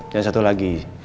dan satu lagi